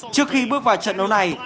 trước khi bước vào trận đấu này